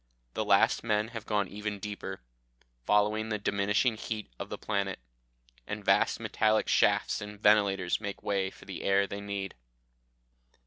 The last men have gone even deeper, following the diminishing heat of the planet, and vast metallic shafts and ventilators make way for the air they need."